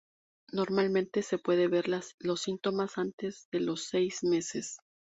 Normalmente se puede ver las síntomas antes de los seis meses.